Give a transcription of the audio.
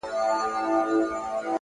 چي تابه وكړې راته ښې خبري،